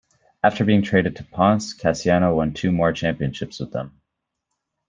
After being traded to Ponce, Casiano won two more championships with them.